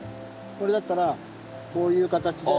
これだったらこういう形で。